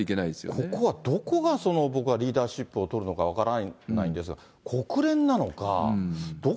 ここはどこが、僕はリーダーシップを取るのか分からないんですが、国連なのか、